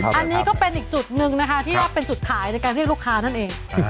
อันนี้ก็เป็นอีกจุดหนึ่งนะคะที่ว่าเป็นจุดขายในการเรียกลูกค้านั่นเอง